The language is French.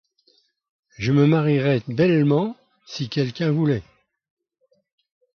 Je me marierais bellement si quelqu’un voulait.